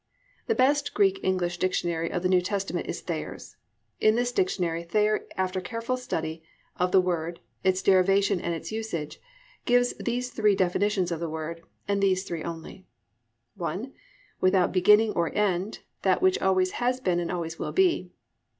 The best Greek English dictionary of the New Testament is Thayer's. In this dictionary Thayer after a careful study of the word, its derivation and its usage, gives these three definitions of the word, and these three only: (1) "Without beginning or end, that which always has been and always will be."